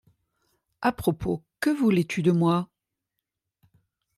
À propos, que voulais-tu de moi?